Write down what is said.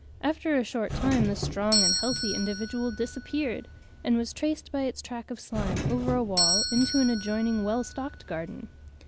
After a short time the strong and healthy individual disappeared, and was traced by its track of slime over a wall into an adjoining well stocked garden.